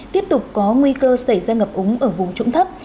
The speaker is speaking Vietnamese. tiếp tục có nguy cơ xảy ra ngập úng ở vùng trũng thấp